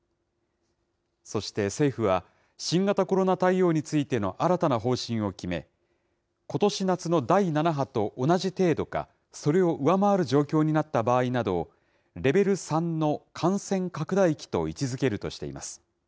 そして政府は、新型コロナ対応についての新たな方針を決め、ことし夏の第７波と同じ程度か、それを上回る状況になった場合などを、レベル３の感染拡大期と位置づけるとしています。